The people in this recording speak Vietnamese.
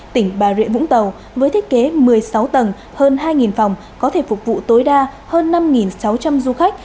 tỉnh bà rịa vũng tàu với thiết kế một mươi sáu tầng hơn hai phòng có thể phục vụ tối đa hơn năm sáu trăm linh du khách